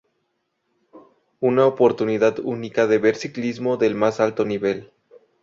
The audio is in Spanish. Una oportunidad única de ver ciclismo del más alto nivel.